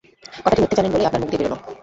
কথাটি মিথ্যে জানেন বলেই আপনার মুখ দিয়ে বেরোল।